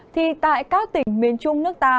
thì tại các tỉnh miền trung nước ta